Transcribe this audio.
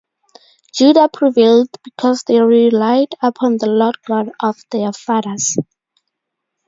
Judah prevailed because they relied upon the Lord God of their fathers.